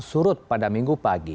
surut pada minggu pagi